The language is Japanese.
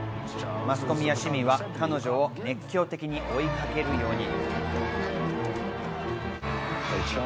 マスコミや市民は彼女を熱狂的に追いかけるように。